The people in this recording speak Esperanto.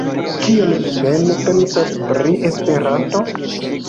Kion vi mem pensas pri Esperanto?